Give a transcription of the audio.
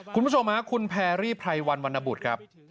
คุณผู้ชมครับคุณแพรรี่ไพรวัลวันนบุตรครับ